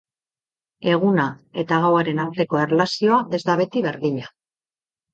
Eguna eta gauaren arteko erlazioa ez da beti berdina.